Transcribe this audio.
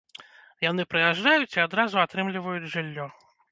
Яны прыязджаюць і адразу атрымліваюць жыллё.